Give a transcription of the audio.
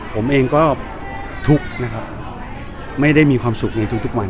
ผมเองก็ทุกข์ไม่ได้มีความสุขในตัวทุกวัน